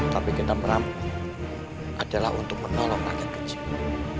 tapi kita merampung adalah untuk menolong rakyat kecil